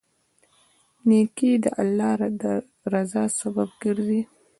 نیکي د الله رضا سبب ګرځي.